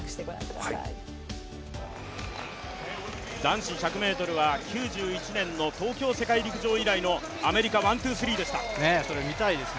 男子１００ｍは９１年の東京世界陸上以来のアメリカワン・ツー・スリーでした。